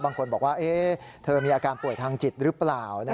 บางคนบอกว่าเธอมีอาการป่วยทางจิตหรือเปล่า